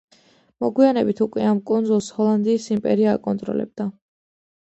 მოგვიანებით უკვე ამ კუნძულს ჰოლანდიის იმპერია აკონტროლებდა.